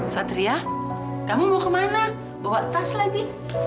satria kamu mau kemana bawa tas lagi